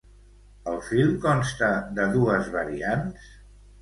El film consta de dues variants?